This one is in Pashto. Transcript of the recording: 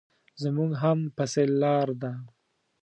زموږ هم پسې لار ده.